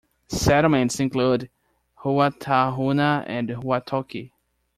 Settlements include Ruatahuna and Ruatoki.